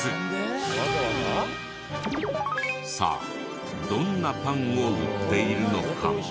さあどんなパンを売っているのか？